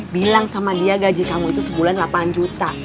bilang sama dia gaji kamu itu sebulan delapan juta